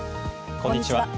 こんにちは。